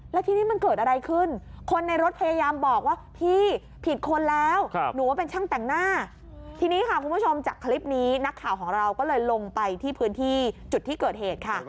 แล้วทีนี้มันเกิดอะไรขึ้นคนในรถพยายามบอกว่าพี่ผิดคนแล้วหนูว่าเป็นช่างแต่งหน้าทีนี้ค่ะคุณผู้ชมจากคลิปนี้นักข่าวของเราก็เลยลงไปที่พื้นที่จุดที่เกิดเหตุค่ะ